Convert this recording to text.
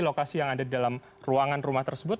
lokasi yang ada di dalam ruangan rumah tersebut